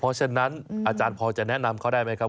เพราะฉะนั้นอาจารย์พอจะแนะนำเขาได้ไหมครับ